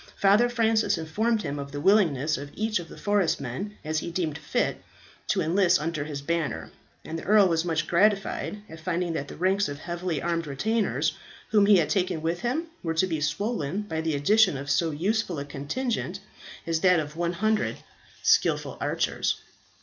Father Francis informed him of the willingness of such of the forest men as he deemed fit to enlist under his banner; and the earl was much gratified at finding that the ranks of heavily armed retainers whom he would take with him, were to be swollen by the addition of so useful a contingent as that of 100 skilful archers.